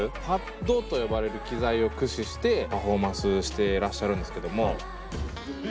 パッドと呼ばれる機材を駆使してパフォーマンスしてらっしゃるんですけども。